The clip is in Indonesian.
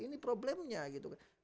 ini problemnya gitu kan